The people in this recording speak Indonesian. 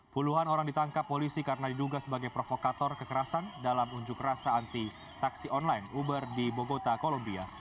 puluhan orang ditangkap polisi karena diduga sebagai provokator kekerasan dalam unjuk rasa anti taksi online uber di bogota kolombia